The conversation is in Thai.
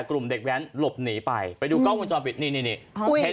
แล้วเพื่อนก็เจ็บเจ็บ